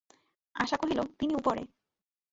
আশা কহিল, তিনি উপরে।